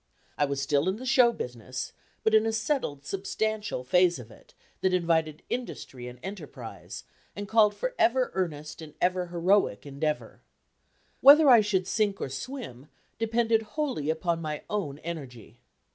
I was still in the show business, but in a settled, substantial phase of it, that invited industry and enterprise, and called for ever earnest and ever heroic endeavor. Whether I should sink or swim depended wholly upon my own energy.